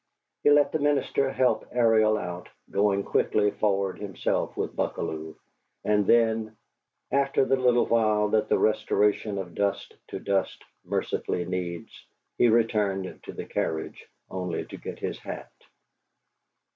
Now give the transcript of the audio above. He let the minister help Ariel out, going quickly forward himself with Buckalew; and then after the little while that the restoration of dust to dust mercifully needs he returned to the carriage only to get his hat.